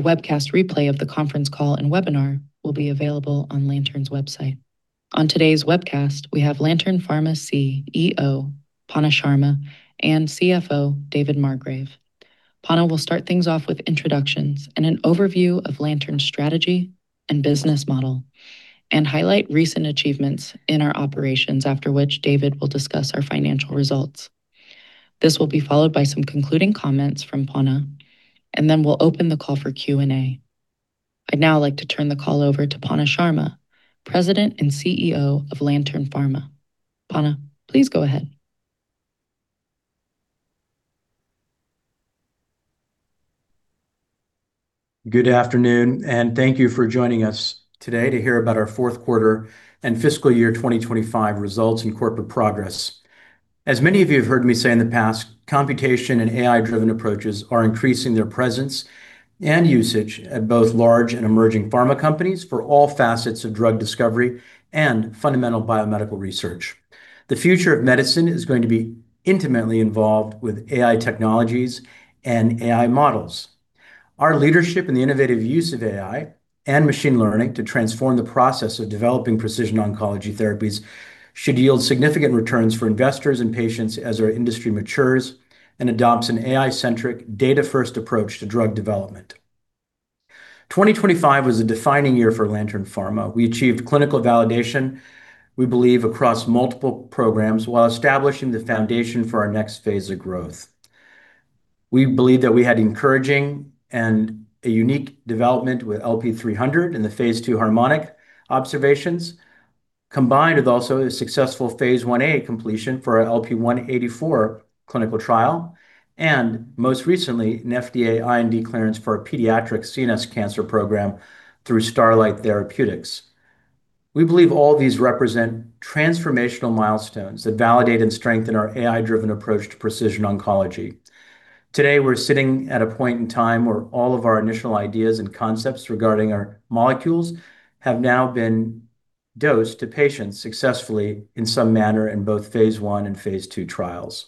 The webcast replay of the conference call and webinar will be available on Lantern's website. On today's webcast, we have Lantern Pharma CEO Panna Sharma and CFO David Margrave. Panna will start things off with introductions and an overview of Lantern's strategy and business model and highlight recent achievements in our operations, after which David will discuss our financial results. This will be followed by some concluding comments from Panna, and then we'll open the call for Q&A. I'd now like to turn the call over to Panna Sharma, President and CEO of Lantern Pharma. Panna, please go ahead. Good afternoon, and thank you for joining us today to hear about our fourth quarter and fiscal year 2025 results and corporate progress. As many of you have heard me say in the past, computation and AI-driven approaches are increasing their presence and usage at both large and emerging pharma companies for all facets of drug discovery and fundamental biomedical research. The future of medicine is going to be intimately involved with AI technologies and AI models. Our leadership in the innovative use of AI and machine learning to transform the process of developing precision oncology therapies should yield significant returns for investors and patients as our industry matures and adopts an AI-centric, data-first approach to drug development. 2025 was a defining year for Lantern Pharma. We achieved clinical validation, we believe, across multiple programs while establishing the foundation for our next phase of growth. We believe that we had encouraging and a unique development with LP-300 in the phase II HARMONIC observations, combined with also a successful phase I-A completion for our LP-184 clinical trial, and most recently, an FDA IND clearance for a pediatric CNS cancer program through Starlight Therapeutics. We believe all these represent transformational milestones that validate and strengthen our AI-driven approach to precision oncology. Today, we're sitting at a point in time where all of our initial ideas and concepts regarding our molecules have now been dosed to patients successfully in some manner in both phase I and phase II trials.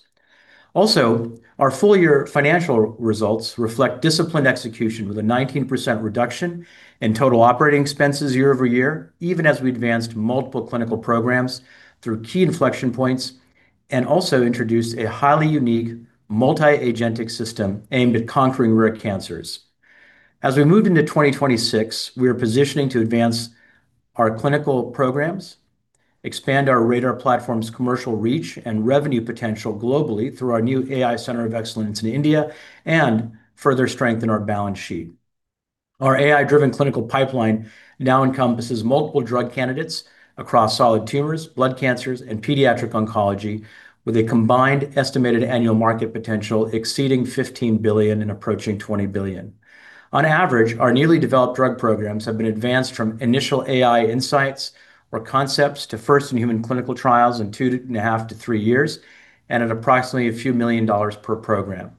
Also, our full-year financial results reflect disciplined execution with a 19% reduction in total operating expenses year-over-year, even as we advanced multiple clinical programs through key inflection points and also introduced a highly unique multi-agentic system aimed at conquering rare cancers. As we move into 2026, we are positioning to advance our clinical programs, expand our RADR platform's commercial reach and revenue potential globally through our new AI Center of Excellence in India, and further strengthen our balance sheet. Our AI-driven clinical pipeline now encompasses multiple drug candidates across solid tumors, blood cancers, and pediatric oncology, with a combined estimated annual market potential exceeding $15 billion and approaching $20 billion. On average, our newly developed drug programs have been advanced from initial AI insights or concepts to first-in-human clinical trials in 2.5-3 years and at approximately $ a few million per program.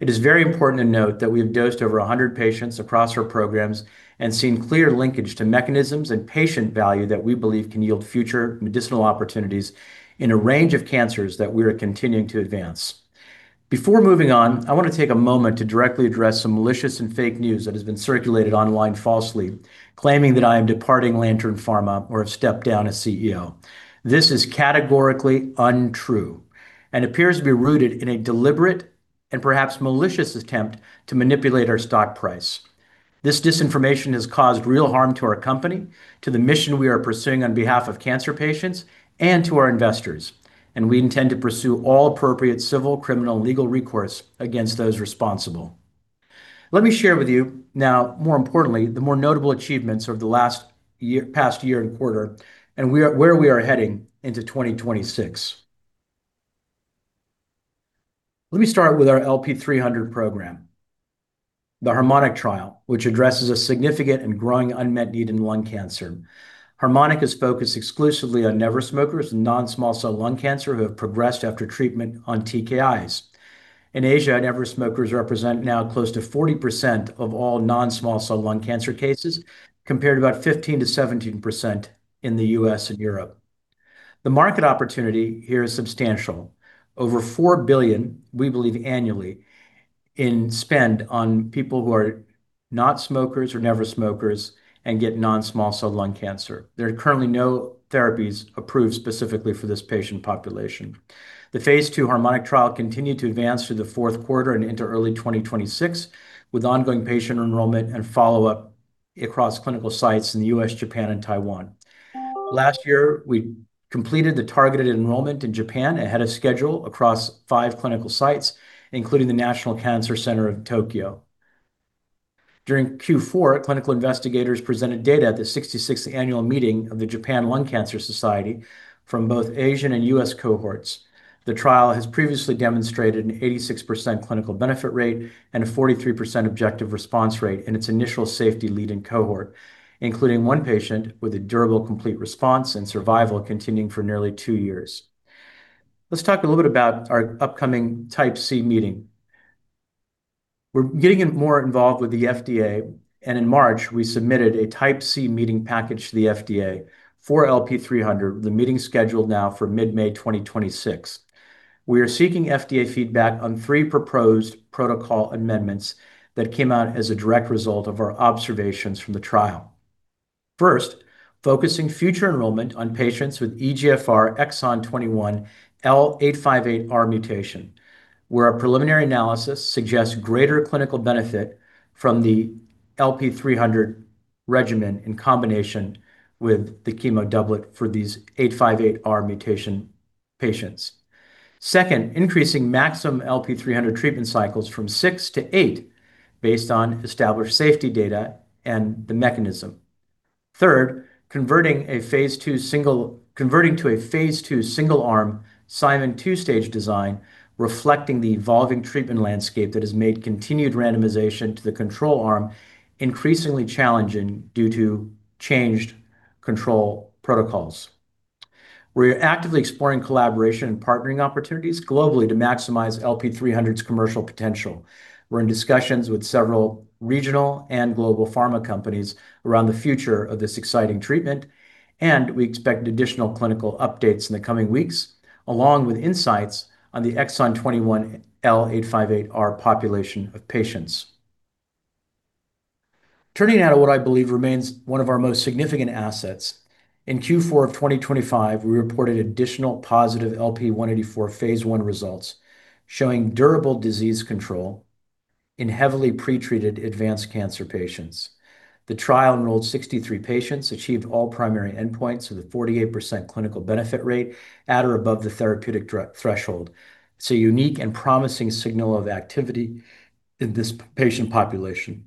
It is very important to note that we have dosed over 100 patients across our programs and seen clear linkage to mechanisms and patient value that we believe can yield future medicinal opportunities in a range of cancers that we are continuing to advance. Before moving on, I want to take a moment to directly address some malicious and fake news that has been circulated online falsely claiming that I am departing Lantern Pharma or have stepped down as CEO. This is categorically untrue and appears to be rooted in a deliberate and perhaps malicious attempt to manipulate our stock price. This disinformation has caused real harm to our company, to the mission we are pursuing on behalf of cancer patients, and to our investors, and we intend to pursue all appropriate civil, criminal, and legal recourse against those responsible. Let me share with you now, more importantly, the more notable achievements over the last year, past year and quarter, where we are heading into 2026. Let me start with our LP-300 program, the HARMONIC trial, which addresses a significant and growing unmet need in lung cancer. HARMONIC is focused exclusively on never smokers and non-small cell lung cancer who have progressed after treatment on TKIs. In Asia, never smokers represent now close to 40% of all non-small cell lung cancer cases, compared to about 15%-17% in the U.S. and Europe. The market opportunity here is substantial. Over $4 billion, we believe, annually in spend on people who are not smokers or never smokers and get non-small cell lung cancer. There are currently no therapies approved specifically for this patient population. The phase II HARMONIC trial continued to advance through the fourth quarter and into early 2026, with ongoing patient enrollment and follow-up across clinical sites in the U.S., Japan, and Taiwan. Last year, we completed the targeted enrollment in Japan ahead of schedule across five clinical sites, including the National Cancer Center Hospital in Tokyo. During Q4, clinical investigators presented data at the 66th annual meeting of the Japan Lung Cancer Society from both Asian and U.S. cohorts. The trial has previously demonstrated an 86% clinical benefit rate and a 43% objective response rate in its initial safety lead-in cohort, including one patient with a durable complete response and survival continuing for nearly 2 years. Let's talk a little bit about our upcoming Type C meeting. We're getting more involved with the FDA, and in March, we submitted a Type C meeting package to the FDA for LP-300, with the meeting scheduled now for mid-May 2026. We are seeking FDA feedback on three proposed protocol amendments that came out as a direct result of our observations from the trial. First, focusing future enrollment on patients with EGFR exon 21 L858R mutation, where our preliminary analysis suggests greater clinical benefit from the LP-300 regimen in combination with the chemo doublet for these 858R mutation patients. Second, increasing maximum LP-300 treatment cycles from six to eight based on established safety data and the mechanism. Third, converting to a phase II single-arm Simon's 2-stage design reflecting the evolving treatment landscape that has made continued randomization to the control arm increasingly challenging due to changed control protocols. We're actively exploring collaboration and partnering opportunities globally to maximize LP-300's commercial potential. We're in discussions with several regional and global pharma companies around the future of this exciting treatment, and we expect additional clinical updates in the coming weeks, along with insights on the exon 21 L858R population of patients. Turning now to what I believe remains one of our most significant assets, in Q4 of 2025, we reported additional positive LP-184 phase I results showing durable disease control in heavily pretreated advanced cancer patients. The trial enrolled 63 patients, achieved all primary endpoints with a 48% clinical benefit rate at or above the therapeutic dose threshold. It's a unique and promising signal of activity in this patient population.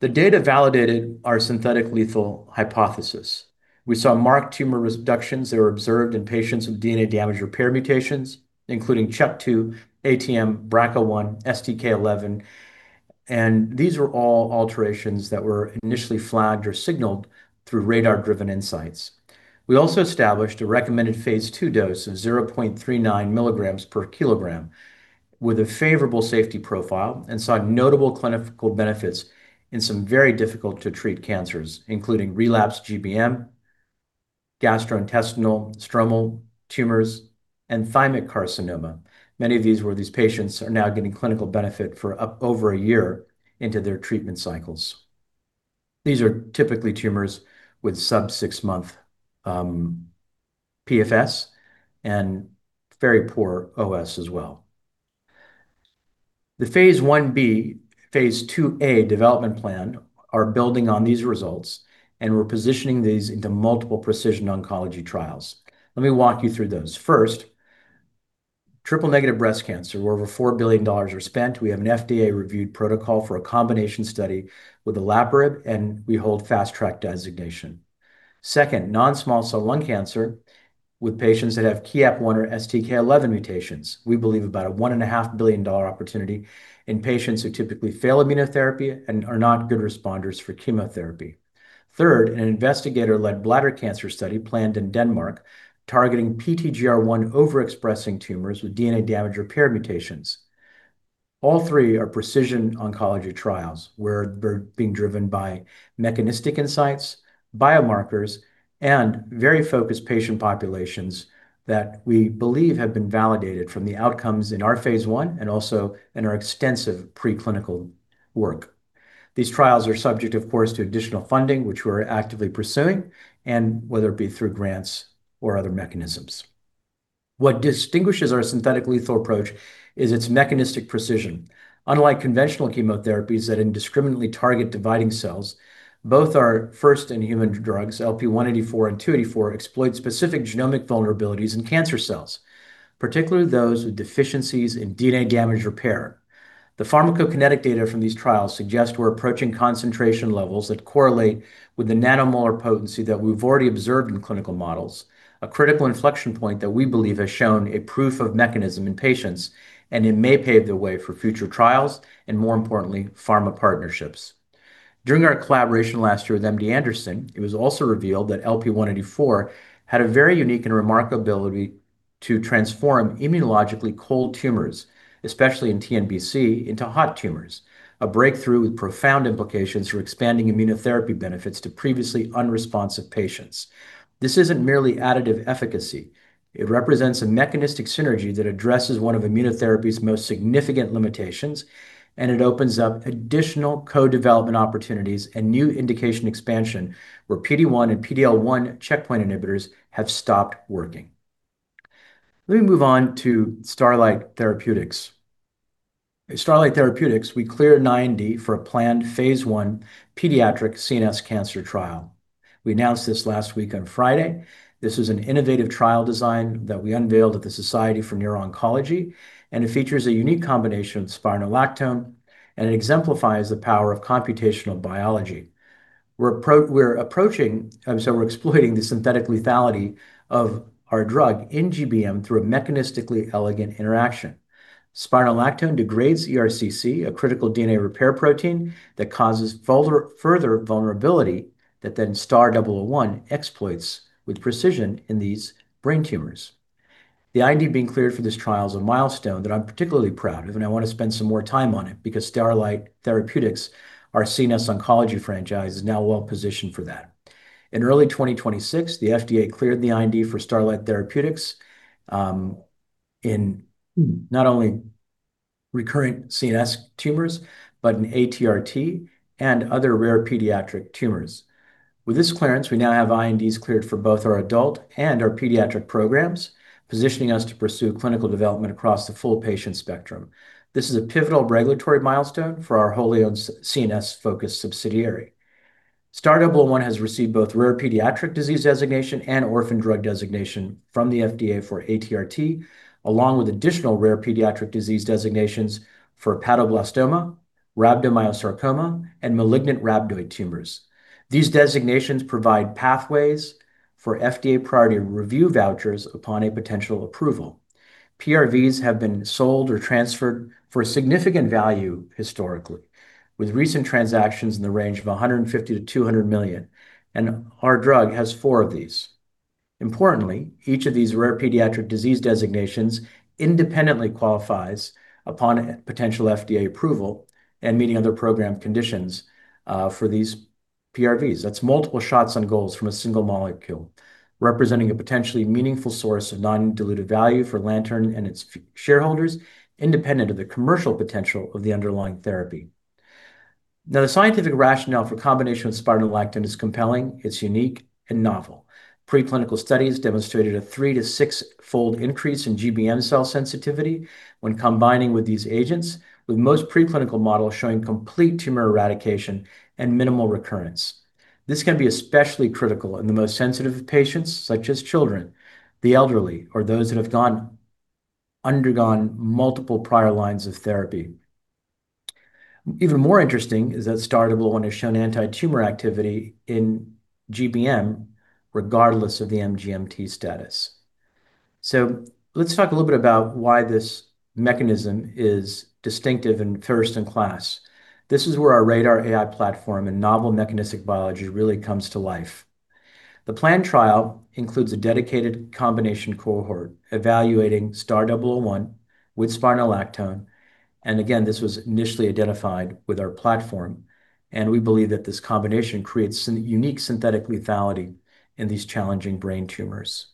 The data validated our synthetic lethality hypothesis. We saw marked tumor reductions that were observed in patients with DNA damage repair mutations, including CHEK2, ATM, BRCA1, STK11, and these were all alterations that were initially flagged or signaled through RADR-driven insights. We also established a recommended phase II dose of 0.39 mg/kg with a favorable safety profile and saw notable clinical benefits in some very difficult-to-treat cancers, including relapsed GBM, gastrointestinal stromal tumors, and thymic carcinoma. Many of these patients are now getting clinical benefit for over a year into their treatment cycles. These are typically tumors with sub six-month PFS and very poor OS as well. The phase I-B, phase II-A development plan are building on these results, and we're positioning these into multiple precision oncology trials. Let me walk you through those. First, triple-negative breast cancer, where over $4 billion are spent. We have an FDA-reviewed protocol for a combination study with olaparib, and we hold Fast Track designation. Second, non-small cell lung cancer with patients that have KEAP1 or STK11 mutations. We believe about a $1.5 billion opportunity in patients who typically fail immunotherapy and are not good responders for chemotherapy. Third, an investigator-led bladder cancer study planned in Denmark targeting PTGR1 overexpressing tumors with DNA damage repair mutations. All three are precision oncology trials, where they're being driven by mechanistic insights, biomarkers, and very focused patient populations that we believe have been validated from the outcomes in our phase I and also in our extensive preclinical work. These trials are subject, of course, to additional funding, which we're actively pursuing, and whether it be through grants or other mechanisms. What distinguishes our synthetic lethality approach is its mechanistic precision. Unlike conventional chemotherapies that indiscriminately target dividing cells, both our first-in-human drugs, LP-184 and LP-284, exploit specific genomic vulnerabilities in cancer cells, particularly those with deficiencies in DNA damage repair. The pharmacokinetic data from these trials suggest we're approaching concentration levels that correlate with the nanomolar potency that we've already observed in clinical models, a critical inflection point that we believe has shown a proof of mechanism in patients, and it may pave the way for future trials and, more importantly, pharma partnerships. During our collaboration last year with MD Anderson, it was also revealed that LP-184 had a very unique and remarkable ability to transform immunologically cold tumors, especially in TNBC, into hot tumors, a breakthrough with profound implications for expanding immunotherapy benefits to previously unresponsive patients. This isn't merely additive efficacy. It represents a mechanistic synergy that addresses one of immunotherapy's most significant limitations, and it opens up additional co-development opportunities and new indication expansion where PD-1 and PD-L1 checkpoint inhibitors have stopped working. Let me move on to Starlight Therapeutics. At Starlight Therapeutics, we cleared an IND for a planned phase I pediatric CNS cancer trial. We announced this last week on Friday. This is an innovative trial design that we unveiled at the Society for Neuro-Oncology, and it features a unique combination of spironolactone, and it exemplifies the power of computational biology. We're approaching so we're exploiting the synthetic lethality of our drug in GBM through a mechanistically elegant interaction. Spironolactone degrades ERCC, a critical DNA repair protein that causes further vulnerability that then STAR-001 exploits with precision in these brain tumors. The IND being cleared for this trial is a milestone that I'm particularly proud of, and I wanna spend some more time on it because Starlight Therapeutics, our CNS oncology franchise, is now well-positioned for that. In early 2026, the FDA cleared the IND for Starlight Therapeutics in not only recurrent CNS tumors, but an ATRT and other rare pediatric tumors. With this clearance, we now have INDs cleared for both our adult and our pediatric programs, positioning us to pursue clinical development across the full patient spectrum. This is a pivotal regulatory milestone for our wholly-owned CNS-focused subsidiary. STAR-001 has received both Rare Pediatric Disease Designation and Orphan Drug Designation from the FDA for ATRT, along with additional Rare Pediatric Disease Designations for hepatoblastoma, rhabdomyosarcoma, and malignant rhabdoid tumors. These designations provide pathways for FDA Priority Review Vouchers upon a potential approval. PRVs have been sold or transferred for significant value historically, with recent transactions in the range of $150 million-$200 million, and our drug has four of these. Importantly, each of these rare pediatric disease designations independently qualifies upon potential FDA approval and meeting other program conditions for these PRVs. That's multiple shots on goals from a single molecule, representing a potentially meaningful source of non-dilutive value for Lantern and its shareholders, independent of the commercial potential of the underlying therapy. Now, the scientific rationale for combination with spironolactone is compelling, it's unique, and novel. Preclinical studies demonstrated a three- to six-fold increase in GBM cell sensitivity when combining with these agents, with most preclinical models showing complete tumor eradication and minimal recurrence. This can be especially critical in the most sensitive patients, such as children, the elderly, or those that have undergone multiple prior lines of therapy. Even more interesting is that STAR-001 has shown antitumor activity in GBM regardless of the MGMT status. Let's talk a little bit about why this mechanism is distinctive and first in class. This is where our RADR AI platform and novel mechanistic biology really comes to life. The plan trial includes a dedicated combination cohort evaluating STAR-001 with spironolactone, and again, this was initially identified with our platform, and we believe that this combination creates unique synthetic lethality in these challenging brain tumors.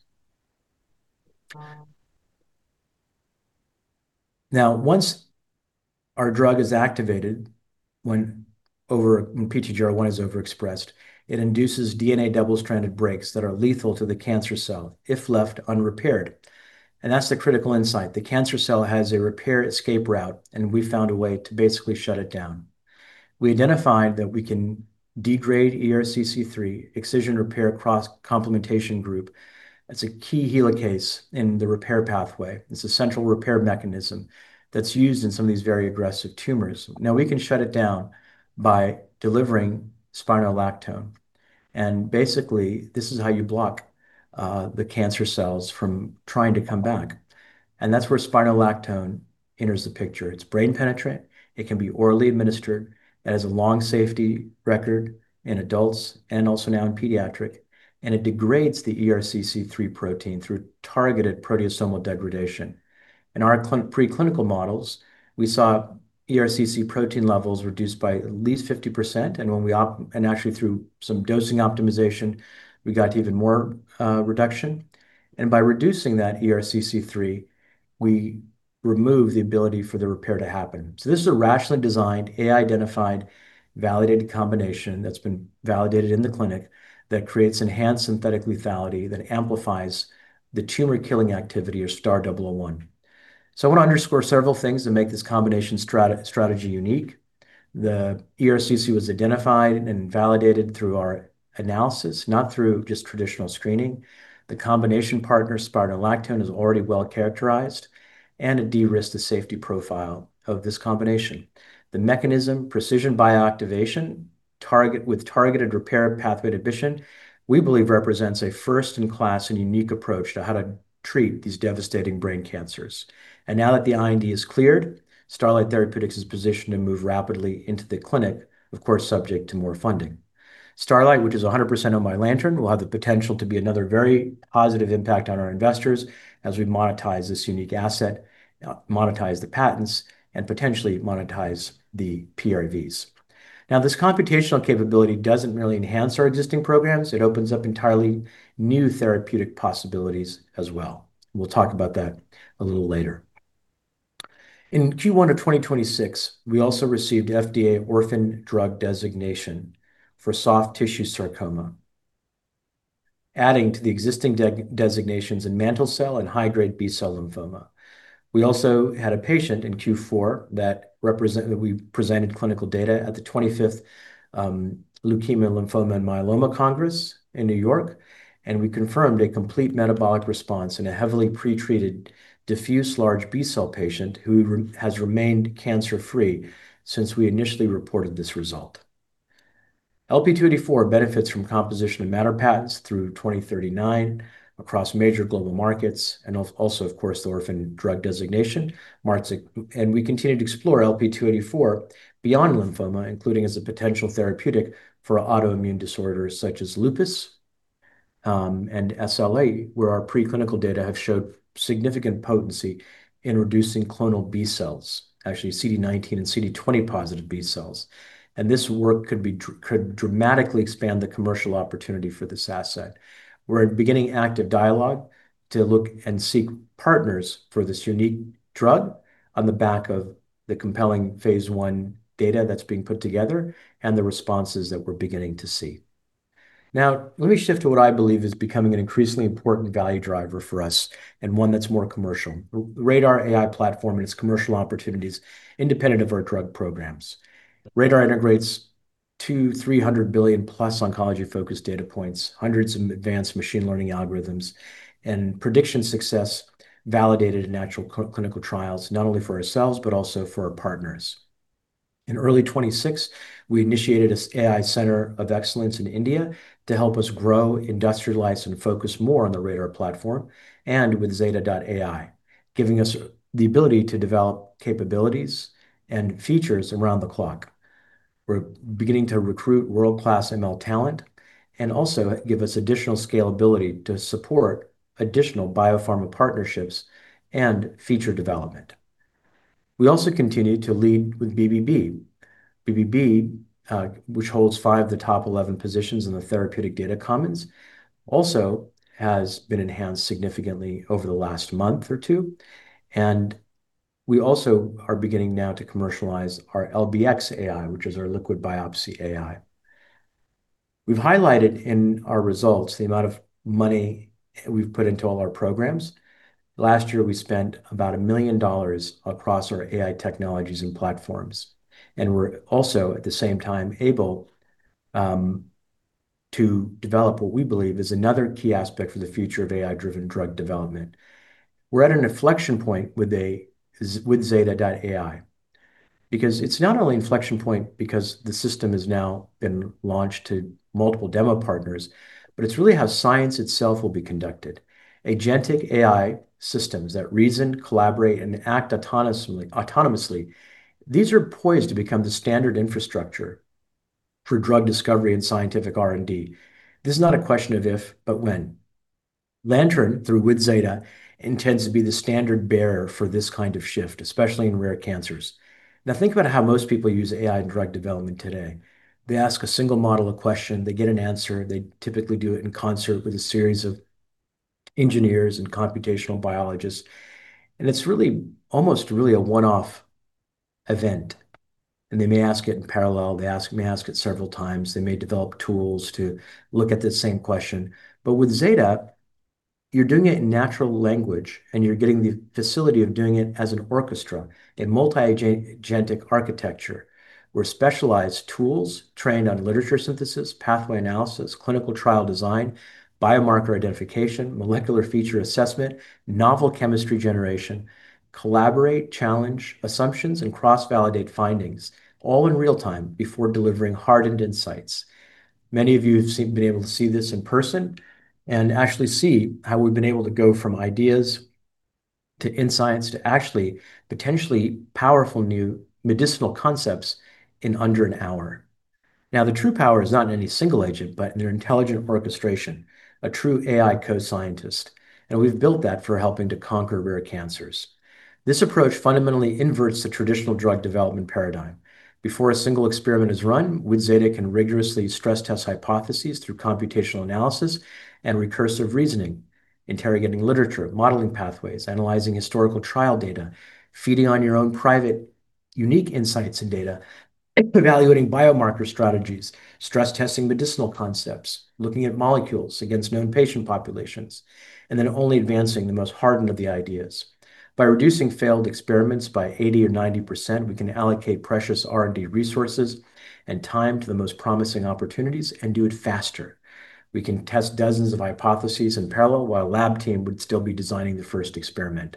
Now, once our drug is activated, when PTGR1 is overexpressed, it induces DNA double-stranded breaks that are lethal to the cancer cell if left unrepaired. That's the critical insight. The cancer cell has a repair escape route, and we found a way to basically shut it down. We identified that we can degrade ERCC3, excision repair cross-complementation group. That's a key helicase in the repair pathway. It's a central repair mechanism that's used in some of these very aggressive tumors. Now, we can shut it down by delivering spironolactone. Basically, this is how you block the cancer cells from trying to come back. That's where spironolactone enters the picture. It's brain penetrant, it can be orally administered, it has a long safety record in adults and also now in pediatric, and it degrades the ERCC3 protein through targeted proteasomal degradation. In our preclinical models, we saw ERCC3 protein levels reduced by at least 50%, and actually through some dosing optimization, we got even more reduction. By reducing that ERCC3, we remove the ability for the repair to happen. This is a rationally designed, AI-identified, validated combination that's been validated in the clinic that creates enhanced synthetic lethality that amplifies the tumor-killing activity of STAR-001. I wanna underscore several things that make this combination strategy unique. The ERCC3 was identified and validated through our analysis, not through just traditional screening. The combination partner, spironolactone, is already well-characterized, and it de-risks the safety profile of this combination. The mechanism, precision bioactivation with targeted repair pathway inhibition, we believe represents a first-in-class and unique approach to how to treat these devastating brain cancers. Now that the IND is cleared, Starlight Therapeutics is positioned to move rapidly into the clinic, of course, subject to more funding. Starlight, which is 100% owned by Lantern, will have the potential to be another very positive impact on our investors as we monetize this unique asset, monetize the patents, and potentially monetize the PRVs. This computational capability doesn't merely enhance our existing programs. It opens up entirely new therapeutic possibilities as well. We'll talk about that a little later. In Q1 of 2026, we also received FDA Orphan Drug Designation for soft tissue sarcoma, adding to the existing designations in mantle cell and high-grade B-cell lymphoma. We also had a patient in Q4 that we presented clinical data at the 25th Lymphoma, Leukemia & Myeloma Congress in New York, and we confirmed a complete metabolic response in a heavily pretreated diffuse large B-cell patient who has remained cancer-free since we initially reported this result. LP-284 benefits from composition of matter patents through 2039 across major global markets, and also, of course, the Orphan Drug Designation marks a. We continue to explore LP-284 beyond lymphoma, including as a potential therapeutic for autoimmune disorders such as lupus and SLE, where our preclinical data have showed significant potency in reducing clonal B-cells, actually CD19 and CD20 positive B-cells. This work could dramatically expand the commercial opportunity for this asset. We're beginning active dialogue to look and seek partners for this unique drug on the back of the compelling phase I data that's being put together and the responses that we're beginning to see. Now, let me shift to what I believe is becoming an increasingly important value driver for us and one that's more commercial. RADR AI platform and its commercial opportunities independent of our drug programs. RADR integrates 200 billion-300 billion-plus oncology-focused data points, hundreds of advanced machine learning algorithms, and prediction success validated in actual clinical trials, not only for ourselves, but also for our partners. In early 2026, we initiated a AI Center of Excellence in India to help us grow, industrialize, and focus more on the RADR platform and withZeta.ai, giving us the ability to develop capabilities and features around the clock. We're beginning to recruit world-class ML talent and also give us additional scalability to support additional biopharma partnerships and feature development. We also continue to lead with BBB. BBB, which holds five of the top eleven positions in the Therapeutics Data Commons, also has been enhanced significantly over the last month or two. We also are beginning now to commercialize our LBx-AI, which is our liquid biopsy AI. We've highlighted in our results the amount of money we've put into all our programs. Last year, we spent about $1 million across our AI technologies and platforms, and we're also, at the same time, able to develop what we believe is another key aspect for the future of AI-driven drug development. We're at an inflection point with withZeta.ai because it's not only inflection point because the system has now been launched to multiple demo partners, but it's really how science itself will be conducted. Agentic AI systems that reason, collaborate, and act autonomously, these are poised to become the standard infrastructure for drug discovery and scientific R&D. This is not a question of if, but when. Lantern, through withZeta, intends to be the standard-bearer for this kind of shift, especially in rare cancers. Now think about how most people use AI in drug development today. They ask a single model a question, they get an answer, they typically do it in concert with a series of engineers and computational biologists, and it's really almost a one-off event. They may ask it in parallel, they may ask it several times. They may develop tools to look at the same question. With withZeta, you're doing it in natural language, and you're getting the facility of doing it as an orchestra, a multi-agent-agentic architecture, where specialized tools trained on literature synthesis, pathway analysis, clinical trial design, biomarker identification, molecular feature assessment, novel chemistry generation, collaborate, challenge assumptions, and cross-validate findings, all in real time before delivering hardened insights. Many of you have been able to see this in person and actually see how we've been able to go from ideas to insights to actually potentially powerful new medicinal concepts in under an hour. Now, the true power is not in any single agent, but in their intelligent orchestration, a true AI co-scientist, and we've built that for helping to conquer rare cancers. This approach fundamentally inverts the traditional drug development paradigm. Before a single experiment is run, withZeta can rigorously stress test hypotheses through computational analysis and recursive reasoning, interrogating literature, modeling pathways, analyzing historical trial data, feeding on your own private, unique insights and data, evaluating biomarker strategies, stress-testing medicinal concepts, looking at molecules against known patient populations, and then only advancing the most hardened of the ideas. By reducing failed experiments by 80% or 90%, we can allocate precious R&D resources and time to the most promising opportunities and do it faster. We can test dozens of hypotheses in parallel while a lab team would still be designing the first experiment.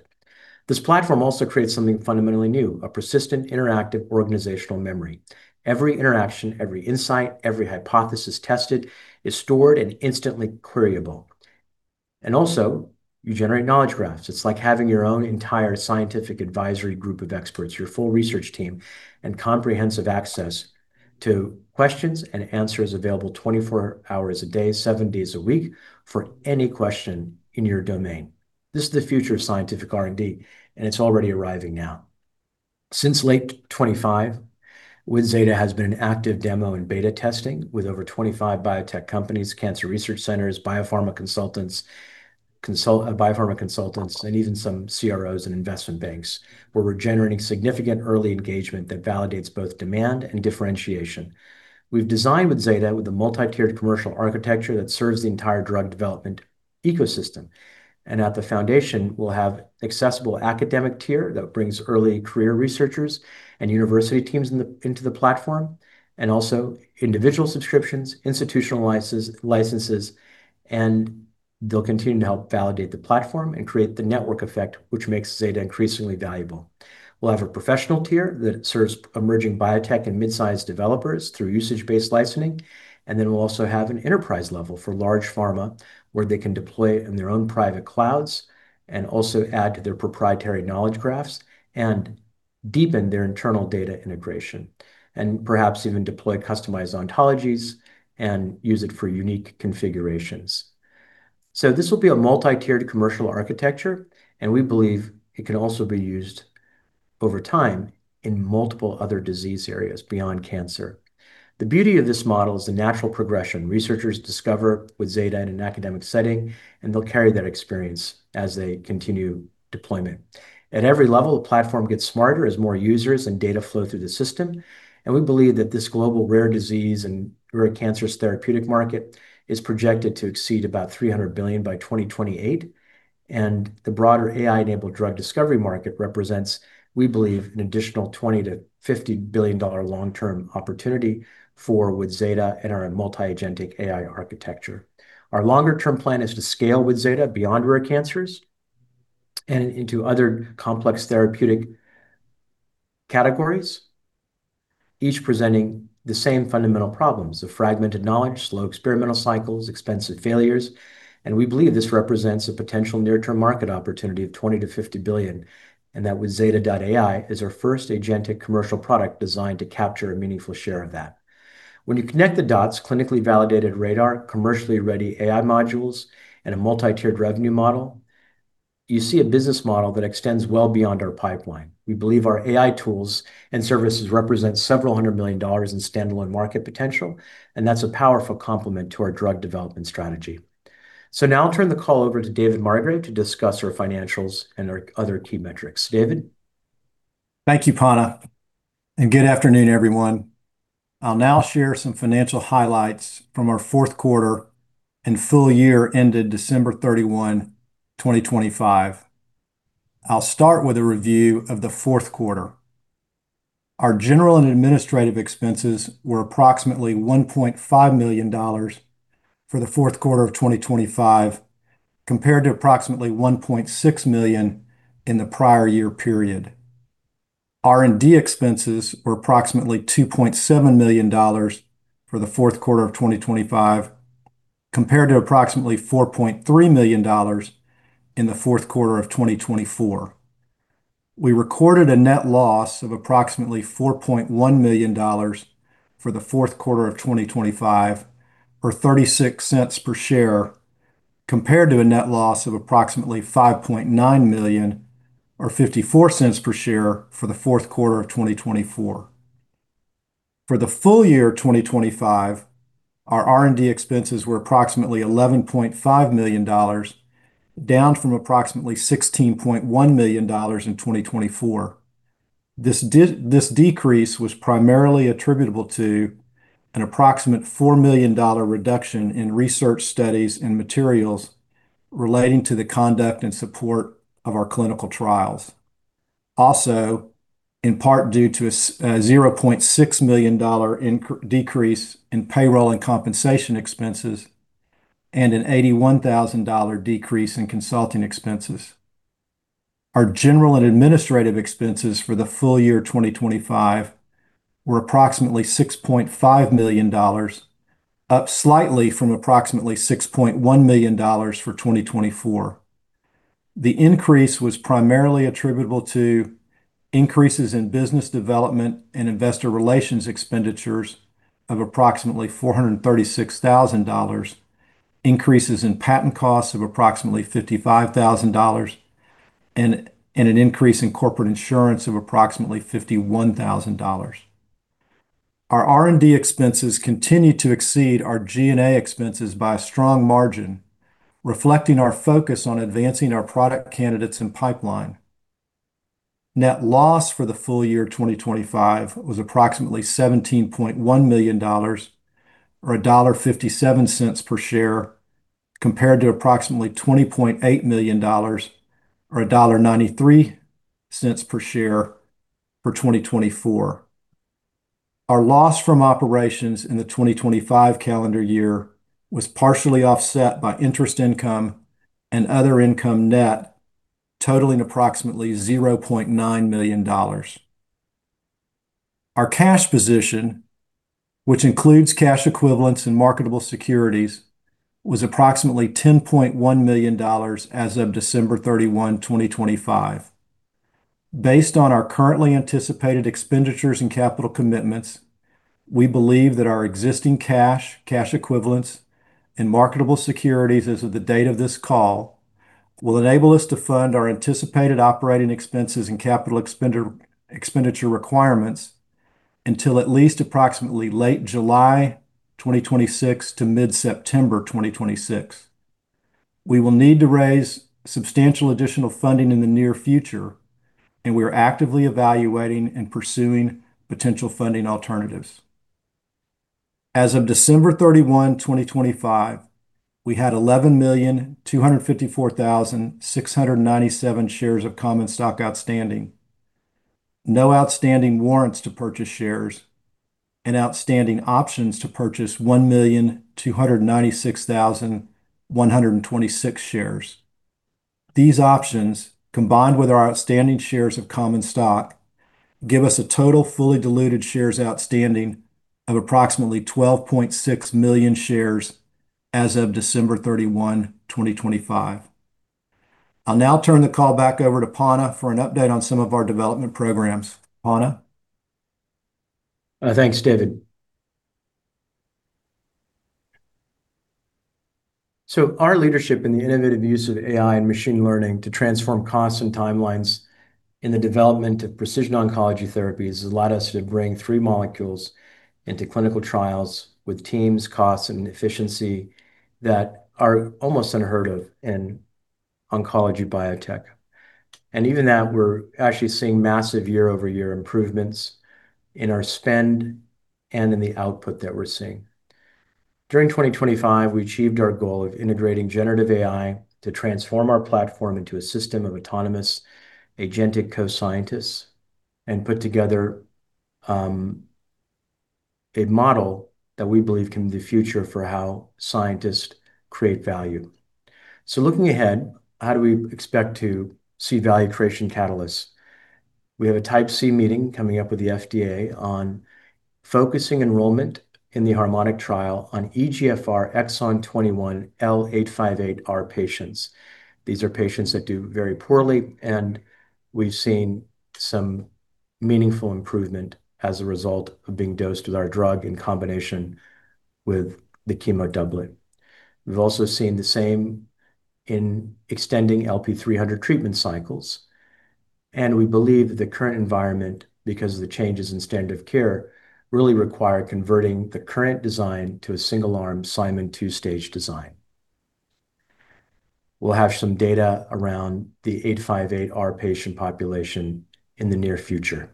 This platform also creates something fundamentally new, a persistent interactive organizational memory. Every interaction, every insight, every hypothesis tested is stored and instantly queryable. You generate knowledge graphs. It's like having your own entire scientific advisory group of experts, your full research team, and comprehensive access to questions and answers available 24 hours a day, seven days a week for any question in your domain. This is the future of scientific R&D, and it's already arriving now. Since late 2025, withZeta has been an active demo in beta testing with over 25 biotech companies, cancer research centers, biopharma consultants, and even some CROs and investment banks, where we're generating significant early engagement that validates both demand and differentiation. We've designed withZeta with a multi-tiered commercial architecture that serves the entire drug development ecosystem. At the foundation, we'll have an accessible academic tier that brings early career researchers and university teams into the platform, and also individual subscriptions, institutional licenses, and they'll continue to help validate the platform and create the network effect, which makes withZeta increasingly valuable. We'll have a professional tier that serves emerging biotech and mid-size developers through usage-based licensing, and then we'll also have an enterprise level for large pharma, where they can deploy in their own private clouds and also add to their proprietary knowledge graphs and deepen their internal data integration, and perhaps even deploy customized ontologies and use it for unique configurations. This will be a multi-tiered commercial architecture, and we believe it can also be used over time in multiple other disease areas beyond cancer. The beauty of this model is the natural progression researchers discover with Zeta in an academic setting, and they'll carry that experience as they continue deployment. At every level, the platform gets smarter as more users and data flow through the system, and we believe that this global rare disease and rare cancers therapeutic market is projected to exceed about $300 billion by 2028. The broader AI-enabled drug discovery market represents, we believe, an additional $20 billion-$50 billion long-term opportunity for withZeta and our multi-agentic AI architecture. Our longer-term plan is to scale withZeta beyond rare cancers and into other complex therapeutic categories, each presenting the same fundamental problems of fragmented knowledge, slow experimental cycles, expensive failures. We believe this represents a potential near-term market opportunity of $20 billion-$50 billion, and that withZeta.ai is our first agentic commercial product designed to capture a meaningful share of that. When you connect the dots, clinically validated RADR, commercially ready AI modules, and a multi-tiered revenue model, you see a business model that extends well beyond our pipeline. We believe our AI tools and services represent several hundred million dollars in standalone market potential, and that's a powerful complement to our drug development strategy. Now I'll turn the call over to David Margrave to discuss our financials and our other key metrics. David? Thank you, Panna, and good afternoon, everyone. I'll now share some financial highlights from our fourth quarter and full year ended December 31, 2025. I'll start with a review of the fourth quarter. Our general and administrative expenses were approximately $1.5 million for the fourth quarter of 2025, compared to approximately $1.6 million in the prior year period. R&D expenses were approximately $2.7 million for the fourth quarter of 2025, compared to approximately $4.3 million in the fourth quarter of 2024. We recorded a net loss of approximately $4.1 million for the fourth quarter of 2025, or $0.36 per share, compared to a net loss of approximately $5.9 million or $0.54 per share for the fourth quarter of 2024. For the full year of 2025, our R&D expenses were approximately $11.5 million, down from approximately $16.1 million in 2024. This decrease was primarily attributable to an approximate $4 million reduction in research studies and materials relating to the conduct and support of our clinical trials. Also, in part due to a $0.6 million decrease in payroll and compensation expenses and an $81,000 decrease in consulting expenses. Our general and administrative expenses for the full year 2025 were approximately $6.5 million, up slightly from approximately $6.1 million for 2024. The increase was primarily attributable to increases in business development and investor relations expenditures of approximately $436,000, increases in patent costs of approximately $55,000, and an increase in corporate insurance of approximately $51,000. Our R&D expenses continue to exceed our G&A expenses by a strong margin, reflecting our focus on advancing our product candidates and pipeline. Net loss for the full year 2025 was approximately $17.1 million, or $1.57 per share, compared to approximately $20.8 million or $1.93 per share for 2024. Our loss from operations in the 2025 calendar year was partially offset by interest income and other income net, totaling approximately $0.9 million. Our cash position, which includes cash equivalents and marketable securities, was approximately $10.1 million as of December 31, 2025. Based on our currently anticipated expenditures and capital commitments, we believe that our existing cash equivalents, and marketable securities as of the date of this call will enable us to fund our anticipated operating expenses and capital expenditure requirements until at least approximately late July 2026 to mid-September 2026. We will need to raise substantial additional funding in the near future, and we are actively evaluating and pursuing potential funding alternatives. As of December 31, 2025, we had 11,254,697 shares of common stock outstanding. No outstanding warrants to purchase shares, and outstanding options to purchase 1,296,126 shares. These options, combined with our outstanding shares of common stock, give us a total fully diluted shares outstanding of approximately 12.6 million shares as of December 31, 2025. I'll now turn the call back over to Panna for an update on some of our development programs. Panna? Thanks, David. Our leadership in the innovative use of AI and machine learning to transform costs and timelines in the development of precision oncology therapies has allowed us to bring three molecules into clinical trials with teams, costs, and efficiency that are almost unheard of in oncology biotech. Even that, we're actually seeing massive year-over-year improvements in our spend and in the output that we're seeing. During 2025, we achieved our goal of integrating generative AI to transform our platform into a system of autonomous agentic co-scientists and put together a model that we believe can be the future for how scientists create value. Looking ahead, how do we expect to see value creation catalysts? We have a Type C meeting coming up with the FDA on focusing enrollment in the HARMONIC trial on EGFR exon 21 L858R patients. These are patients that do very poorly, and we've seen some meaningful improvement as a result of being dosed with our drug in combination with the chemo doublet. We've also seen the same in extending LP-300 treatment cycles, and we believe the current environment, because of the changes in standard of care, really require converting the current design to a single-arm Simon's 2-stage design. We'll have some data around the L858R patient population in the near future.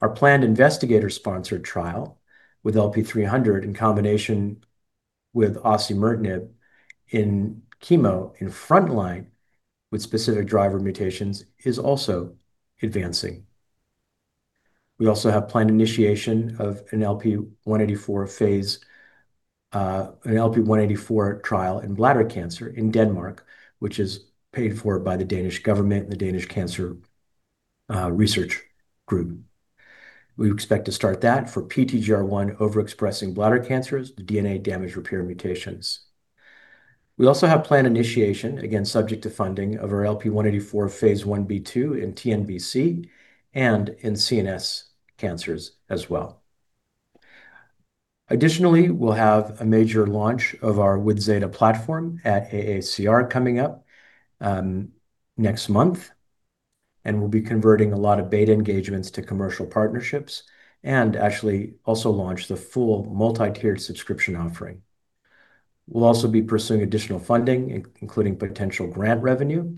Our planned investigator-sponsored trial with LP-300 in combination with osimertinib in chemo in front line with specific driver mutations is also advancing. We also have planned initiation of an LP-184 trial in bladder cancer in Denmark, which is paid for by the Danish government and the Danish Cancer Society. We expect to start that for PTGR1 overexpressing bladder cancers, the DNA damage repair mutations. We also have planned initiation, again, subject to funding, of our LP-184 phase I-B/II in TNBC and in CNS cancers as well. Additionally, we'll have a major launch of our withZeta platform at AACR coming up, next month, and we'll be converting a lot of beta engagements to commercial partnerships and actually also launch the full multi-tiered subscription offering. We'll also be pursuing additional funding, including potential grant revenue,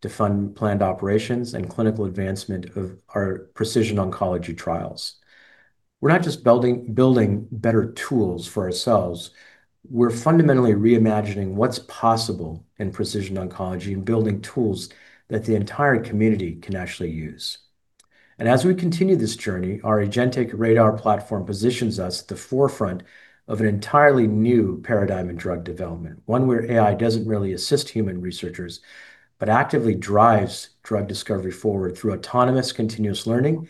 to fund planned operations and clinical advancement of our precision oncology trials. We're not just building better tools for ourselves. We're fundamentally reimagining what's possible in precision oncology and building tools that the entire community can actually use. As we continue this journey, our agentic RADR platform positions us at the forefront of an entirely new paradigm in drug development, one where AI doesn't really assist human researchers, but actively drives drug discovery forward through autonomous continuous learning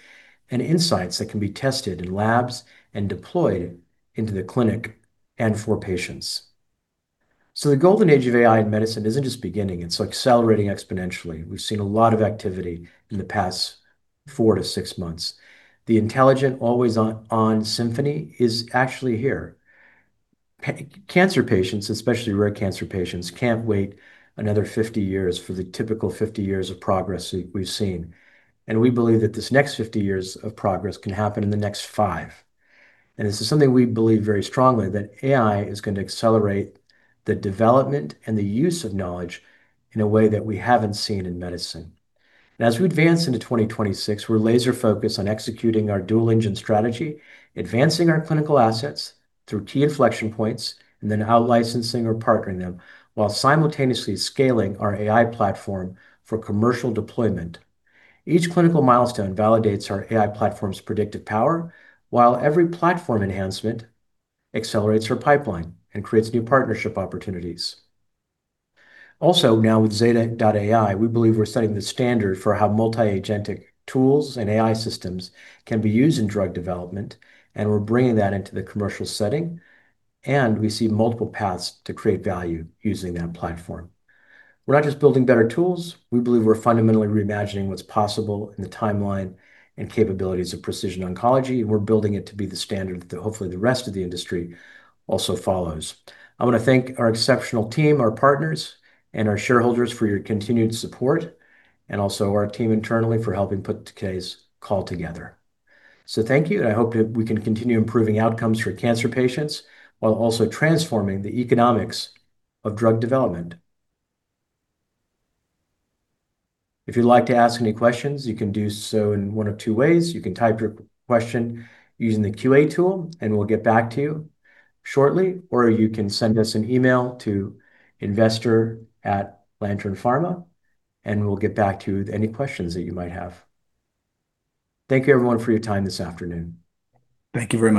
and insights that can be tested in labs and deployed into the clinic and for patients. The golden age of AI in medicine isn't just beginning, it's accelerating exponentially. We've seen a lot of activity in the past four to six months. The intelligent always-on symphony is actually here. Cancer patients, especially rare cancer patients, can't wait another 50 years for the typical 50 years of progress we've seen. We believe that this next 50 years of progress can happen in the next 5 years. This is something we believe very strongly, that AI is going to accelerate the development and the use of knowledge in a way that we haven't seen in medicine. As we advance into 2026, we're laser-focused on executing our dual engine strategy, advancing our clinical assets through key inflection points, and then out-licensing or partnering them while simultaneously scaling our AI platform for commercial deployment. Each clinical milestone validates our AI platform's predictive power while every platform enhancement accelerates our pipeline and creates new partnership opportunities. Also, now withZeta.ai, we believe we're setting the standard for how multi-agentic tools and AI systems can be used in drug development, and we're bringing that into the commercial setting, and we see multiple paths to create value using that platform. We're not just building better tools. We believe we're fundamentally reimagining what's possible in the timeline and capabilities of precision oncology, and we're building it to be the standard that hopefully the rest of the industry also follows. I wanna thank our exceptional team, our partners, and our shareholders for your continued support, and also our team internally for helping put today's call together. Thank you, and I hope that we can continue improving outcomes for cancer patients while also transforming the economics of drug development. If you'd like to ask any questions, you can do so in one of two ways. You can type your question using the QA tool, and we'll get back to you shortly. Or you can send us an email to investor@lanternpharma, and we'll get back to you with any questions that you might have. Thank you, everyone, for your time this afternoon. Thank you very much.